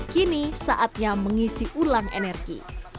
kini saatnya mengisi ulang energi